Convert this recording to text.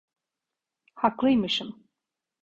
Haklıymışım.